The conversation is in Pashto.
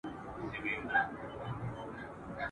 خو زموږ پر کلي د غمونو بارانونه اوري ,